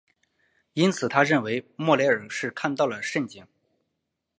因此他认为莫雷尔是看到了蜃景。